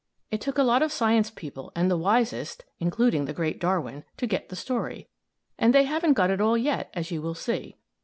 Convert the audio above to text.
It took a lot of science people and the wisest including the great Darwin to get the story, and they haven't got it all yet, as you will see.